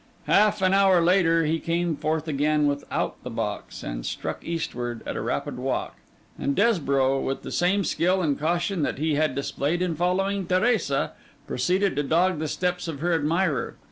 Half an hour later, he came forth again without the box, and struck eastward at a rapid walk; and Desborough, with the same skill and caution that he had displayed in following Teresa, proceeded to dog the steps of her admirer.